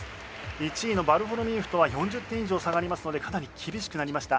１位のヴァルフォロミーフとは４０点以上差がありますのでかなり厳しくなりました。